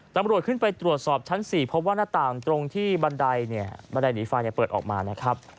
ตำรวจขึ้นไปตรวจสอบชั้น๔เพราะว่าหน้าต่างตรงที่บันไดเนี่ยบันไดหนีไฟเปิดออกมานะครับ